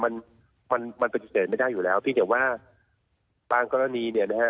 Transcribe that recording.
มันปฏิเสธไม่ได้อยู่แล้วที่เดี๋ยวว่าตามกรณีเนี่ยนะฮะ